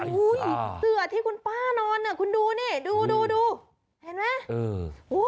อุ้ยเสือที่คุณป้านอนน่ะคุณดูนี่ดูดูดูเห็นไหมเออ